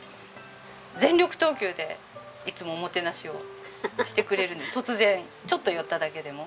全力投球でいつもおもてなしをしてくれる突然ちょっと寄っただけでも。